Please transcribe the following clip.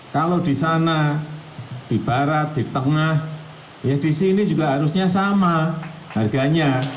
kalau di sana di barat di tengah ya di sini juga harusnya sama harganya